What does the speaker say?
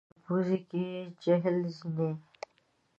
د بېلګې په ډول د کندهار په سرپوزي کې چهل زینې.